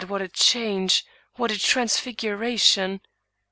what a change! what a transfiguration!